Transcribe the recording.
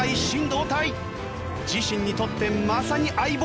自身にとってまさに相棒。